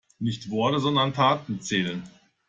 Nicht Worte, sondern Taten zählen.